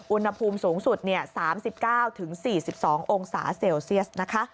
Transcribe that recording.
อุณหภูมิสูงสุด๓๙๔๒องศาเซลเซียสนะคะ